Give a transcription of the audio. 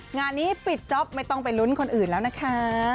งานนี้ปิดจ๊อปไม่ต้องไปลุ้นคนอื่นแล้วนะคะ